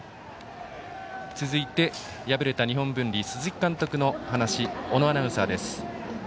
続いて、敗れた日本文理鈴木監督の話小野アナウンサーです。